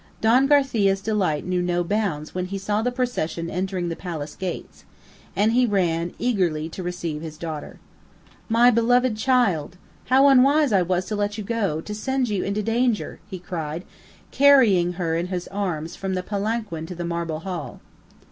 Don Garcia's delight knew no bounds when he saw the procession entering the palace gates, and he ran eagerly to receive his daughter. "My loved child! How unwise I was to let you go, to send you into danger," he cried, carrying her in his arms from the palanquin to the marble hall.